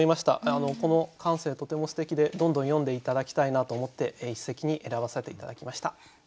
この感性とてもすてきでどんどん詠んで頂きたいなと思って一席に選ばせて頂きました。